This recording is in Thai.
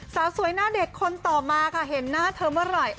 สาวสวยหน้าเด็กคนต่อมาค่ะเห็นหน้าเธอเมื่อไหร่